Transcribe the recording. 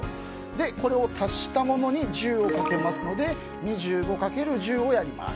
で、これを足したものに１０をかけますので２５×１０をやります。